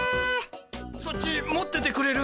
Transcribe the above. そっち持っててくれる？